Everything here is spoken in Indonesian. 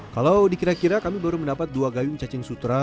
kalau dikira kira kami baru mendapat dua gayung cacing sutra